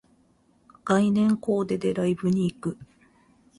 概念コーデでライブに行く